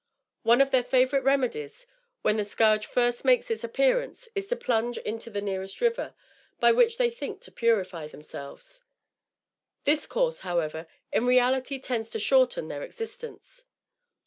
One of their favorite remedies, when the scourge first makes its appearance, is to plunge into the nearest river, by which they think to purify themselves. This course, however, in reality, tends to shorten their existence.